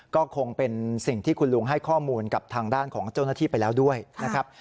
ก็คงเป็นสิ่งที่คุณลุงให้ข้อมูลกับทางด้านของเจ้าหน้าที่ไปแล้วด้วยนะครับ